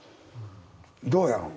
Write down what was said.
どうやろ？